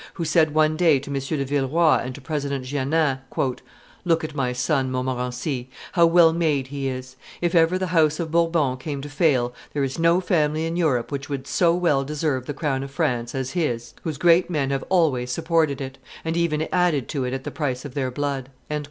who said one day to M. de Villeroy and to President Jeannin, "Look at my son Montmorency, how well made he is; if ever the house of Bourbon came to fail, there is no family in Europe which would so well deserve the crown of France as, his, whose great men have always supported it, and even added to it at the price of their blood."